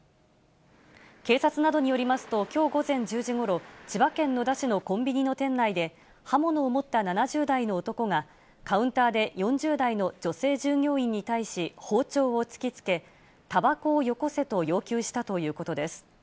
警察などによりますと、きょう午前１０時ごろ、千葉県野田市のコンビニの店内で、刃物を持った７０代の男が、カウンターで４０代の女性従業員に対し、包丁を突きつけ、たばこをよこせと要求したということです。